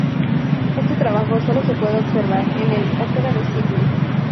Este trabajo solo se pudo observar en la Ópera de Sídney.